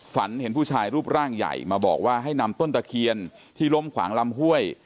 ฝันเห็นผู้ชายรูปร่างใหญ่มาบอกว่าให้นำต้นตะเคียนที่ล้มขวางลำห้วย